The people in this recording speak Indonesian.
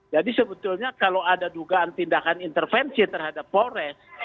jadi sebetulnya kalau ada dugaan tindakan intervensi terhadap polres